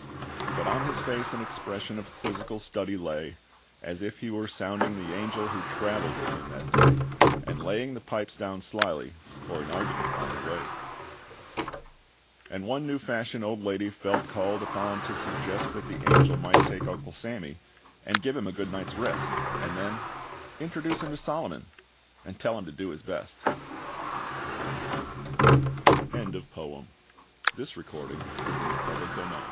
But on his face an expression Of quizzical study lay, As if he were sounding the angel Who traveled with him that day, And laying the pipes down slyly for an argument on the way. And one new fashioned old lady Felt called upon to suggest That the angel might take Uncle Sammy, And give him a good night's rest, And then introduce him to Solomon, and tell him